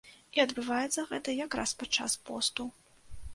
І адбываецца гэта якраз падчас посту.